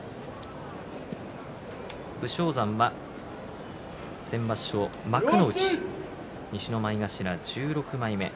武将山は先場所幕内西の前頭１６枚目。